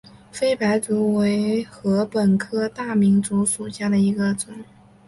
菲白竹为禾本科大明竹属下的一个种。